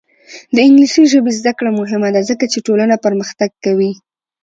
د انګلیسي ژبې زده کړه مهمه ده ځکه چې ټولنه پرمختګ کوي.